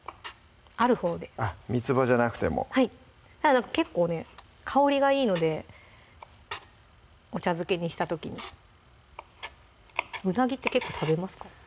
あるほうでみつばじゃなくても結構ね香りがいいのでお茶漬けにした時にうなぎって結構食べますか？